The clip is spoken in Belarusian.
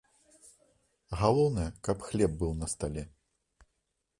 Галоўнае, каб хлеб быў на стале.